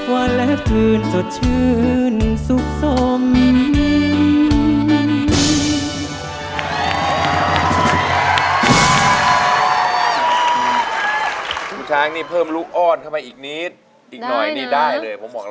วันและพื้นจดชื่อ